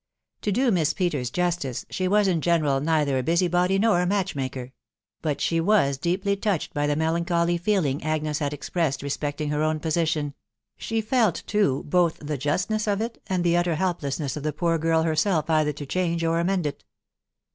To do Miss Peters justice, she was in general neither a busy body nor a match maker ; but she was deeply touched by the melancholy feeling Agnes had expressed respecting her own position ; she felt, too, both the justness of it, and the utter helplessness of the poor girl herself either to change or amend it.